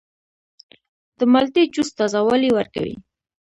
د مالټې جوس تازه والی ورکوي.